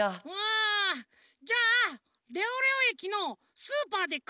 ああじゃあ「レオレオえきのスーパーでかいものするひと」。